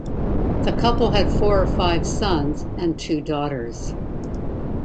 The couple had four or five sons and two daughters.